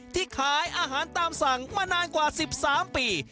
ที่ขายอาหารตามสั่งมานานกว่า๑๓ปี